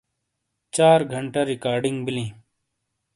چار گھنٹا ریکارڈنگ بیلیں